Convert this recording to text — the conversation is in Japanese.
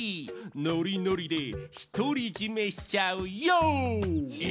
ノリノリでひとりじめしちゃうヨー！え？